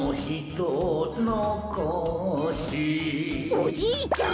おじいちゃん